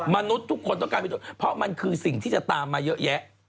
มนุษย์ทุกคนต้องการมีโทษเพราะมันคือสิ่งที่จะตามมาเยอะแยะ